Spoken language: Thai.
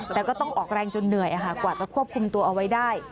แต่ก็ต้องออกแรงจนเหนื่อยกว่าจะควบคุมตัวเอาไว้ได้